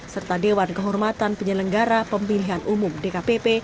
serta dewan kehormatan penyelenggara pemilihan umum dkpp